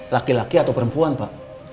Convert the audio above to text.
laki laki atau perempuan pak